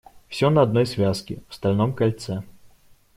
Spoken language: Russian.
Все на одной связке, в стальном кольце.